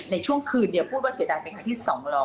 ในช่วงคืนเดียวพูดว่าเสียดายเป็นครั้งที่๒๐๐